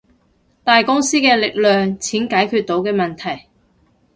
大公司嘅力量，錢解決到嘅問題